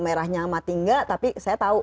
merahnya mati enggak tapi saya tahu